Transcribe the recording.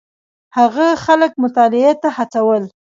هغه خلک مطالعې ته هڅول.